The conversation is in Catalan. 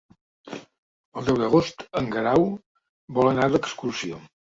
El deu d'agost en Guerau vol anar d'excursió.